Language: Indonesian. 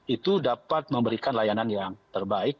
itu dapat memberikan layanan yang terbaik